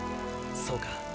そうか。